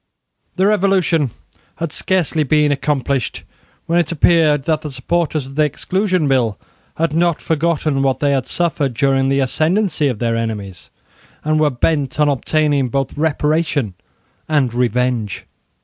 The Revolution had scarcely been accomplished when it appeared that the supporters of the Exclusion Bill had not forgotten what they had suffered during the ascendancy of their enemies, and were bent on obtaining both reparation and revenge.